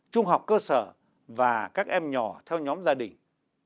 trung học cơ sở và các em nhỏ theo nhóm gia đình